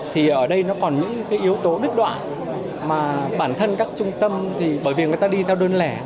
thì ở đây nó còn những yếu tố đứt đoạn mà bản thân các trung tâm bởi vì người ta đi theo đơn lè